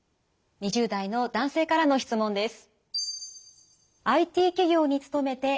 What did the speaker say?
２０代の男性からの質問です。